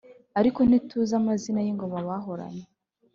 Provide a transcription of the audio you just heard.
ariko ntituzi amazina y’ingoma bahoranye